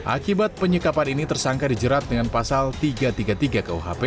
akibat penyekapan ini tersangka dijerat dengan pasal tiga ratus tiga puluh tiga kuhp